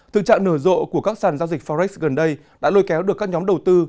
thực trạng nở rộ của các sàn giao dịch forex gần đây đã lôi kéo được các nhóm đầu tư